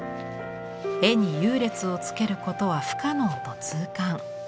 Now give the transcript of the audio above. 絵に優劣をつけることは不可能と痛感。